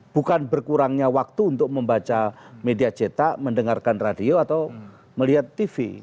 bukan berkurangnya waktu untuk membaca media cetak mendengarkan radio atau melihat tv